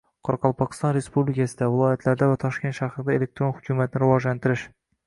Qoraqalpog‘iston Respublikasida, viloyatlarda va Toshkent shahrida elektron hukumatni rivojlantirish